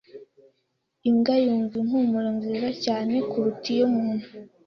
Imbwa yumva impumuro nziza cyane kuruta iyumuntu.